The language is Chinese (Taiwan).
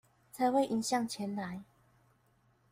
才會迎向前來